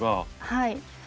はい。